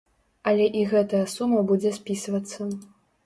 Але і гэтая сума будзе спісвацца.